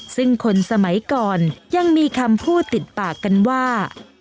ซึ่งคนสมัยก่อนยังมีคำพูดติดปากกันว่า